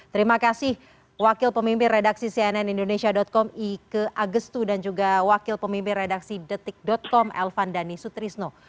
terima kasih wakil pemimpin redaksi cnn indonesia com ike agestu dan juga wakil pemimpin redaksi detik com elvan dhani sutrisno